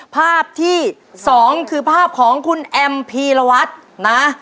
ภาพที่๒คือภาพของคุณแอมพีรวัตรนะ